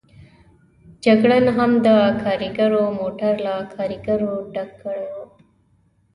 جګړن هم د کاریګرو موټر له کاریګرو ډک کړی و.